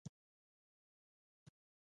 خپله ګټه د ځان لپاره دُرسته نه ګڼي.